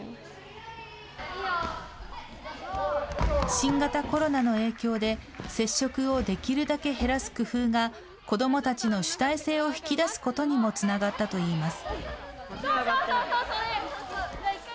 新型コロナの影響で接触をできるだけ減らす工夫が子どもたちの主体性を引き出すことにもつながったといいます。